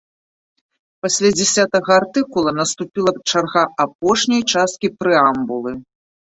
Пасля дзясятага артыкула наступіла чарга апошняй часткі прэамбулы.